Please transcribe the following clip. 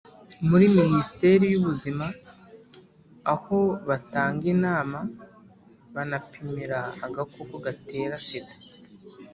muri minisiteri y’ubuzima, aho batanga inama banapimira agakoko gatera sida,